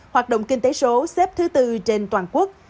hoạt động kinh tế số xếp thứ tư trên toàn quốc